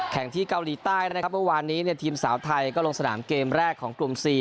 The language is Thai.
ที่เกาหลีใต้นะครับเมื่อวานนี้เนี่ยทีมสาวไทยก็ลงสนามเกมแรกของกลุ่ม๔